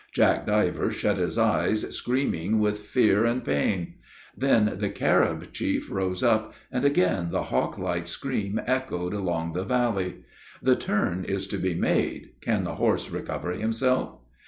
Jack Diver shut his eyes, screaming with fear and pain. Then the Carib chief rose up, and again the hawk like scream echoed along the valley. The turn is to be made can the horse recover himself?